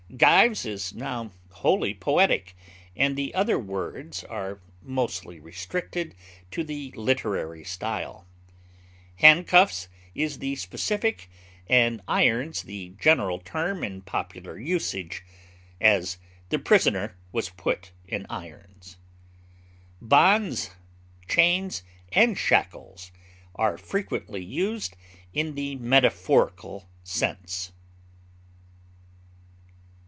Gyves is now wholly poetic, and the other words are mostly restricted to the literary style; handcuffs is the specific and irons the general term in popular usage; as, the prisoner was put in irons. Bonds, chains, and shackles are frequently used in the metaphorical sense.